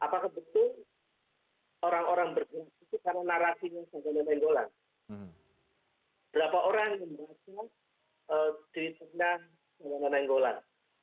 apakah betul orang orang bergerak itu karena narasinya sdn nenggolan